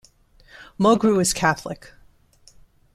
Mulgrew is Catholic.